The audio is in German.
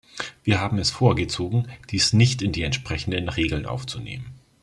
Wir haben es vorgezogen, dies nicht in die entsprechenden Regeln aufzunehmen.